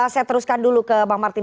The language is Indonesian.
saya teruskan dulu ke bang martin